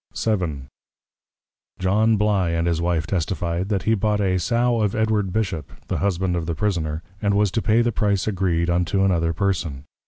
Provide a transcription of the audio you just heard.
VII. John Bly and his Wife testifi'd, That he bought a Sow of Edward Bishop, the Husband of the Prisoner; and was to pay the Price agreed, unto another person.